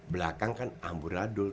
belakang kan amburadul